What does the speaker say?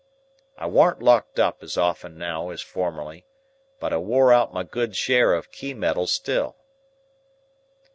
I warn't locked up as often now as formerly, but I wore out my good share of key metal still.